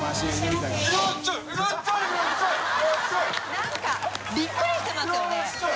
何かびっくりしてますよね。